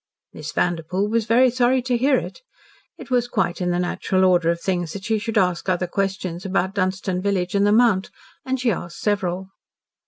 Miss Vanderpoel was very sorry to hear it. It was quite in the natural order of things that she should ask other questions about Dunstan village and the Mount, and she asked several.